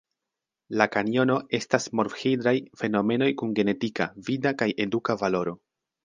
La kanjono estas morf-hidraj fenomenoj kun genetika, vida kaj eduka valoro.